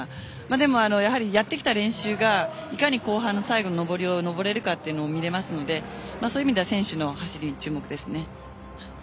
でも、やってきた練習がいかに後半、最後の上りを上れるかというのが見れますので選手の走りに注目ですね。